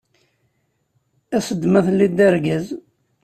As-d ma telliḍ d argaz.